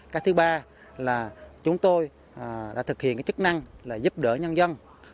cái thứ ba là chúng tôi đã thực hiện chức năng giúp đỡ nhân dân